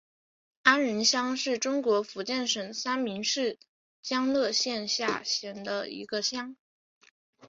安仁乡是中国福建省三明市将乐县下辖的一个乡。